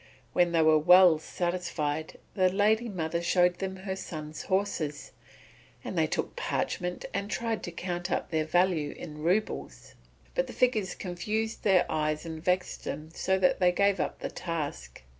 When they were well satisfied, the lady mother showed them her son's horses; and they took parchment and tried to count up their value in roubles, but the figures confused their eyes and vexed them so that they gave up the task.